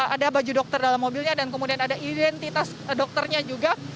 ada baju dokter dalam mobilnya dan kemudian ada identitas dokternya juga